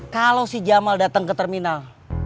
kalau si jamal datang ke terminal